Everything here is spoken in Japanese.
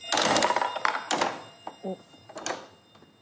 おっ。